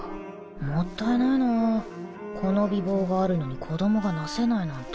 もったいないなぁこの美貌があるのに子供がなせないなんて